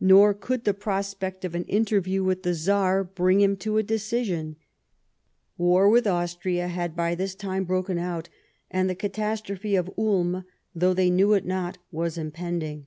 Nor could the pro spect of an interview with the Czar bring him to a decision. War with Austria had by this time broken out, and the catastrophe of Ulm, though they knew it not, was impend ing.